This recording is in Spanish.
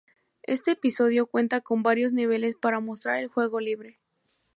Este episodio cuenta con varios niveles para mostrar el juego libre.